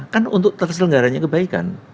kan untuk terselenggaranya kebaikan